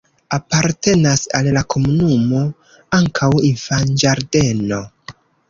Apartenas al la komunumo ankaŭ infanĝardeno.